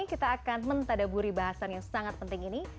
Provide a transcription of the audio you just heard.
kita akan mentadaburi bahasan yang sangat penting ini